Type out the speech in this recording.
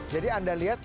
jadi anda lihat